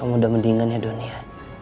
kamu udah mendingan ya doni ya